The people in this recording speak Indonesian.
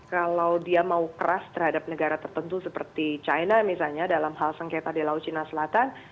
kalau dia mau keras terhadap negara tertentu seperti china misalnya dalam hal sengketa di laut cina selatan